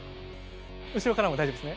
後ろからも大丈夫ですね。